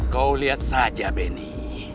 kau lihat saja benny